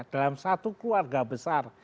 dalam satu keluarga besar